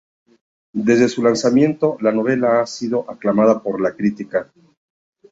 Desde su lanzamiento, la novela ha sido aclamada por la crítica.